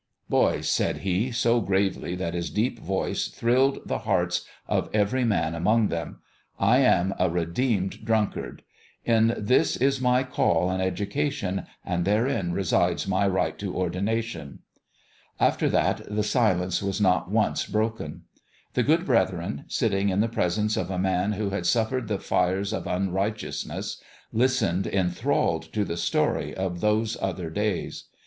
" Boys," said he, so gravely that his deep voice thrilled the hearts of every man among them, " I am a re deemed drunkard : in this is my call and educa tion and therein resides my right to ordination." After that the silence was not once broken. The good brethren, sitting in the presence of a man who had suffered the fires of unrighteousness, lis tened, enthralled, to the story of those other days.